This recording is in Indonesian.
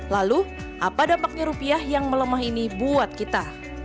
lalu apa dampaknya rupiah yang melemah ini buat kita